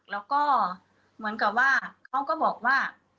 แล้วก็เหมือนกับว่าเขาก็บอกว่า